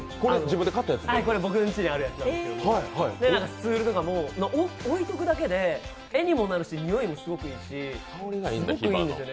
これ、僕んちにあるやつなんですけど、スツールとかも置いておくだけで絵にもなるし匂いもすごくいいしすごくいいんですよね。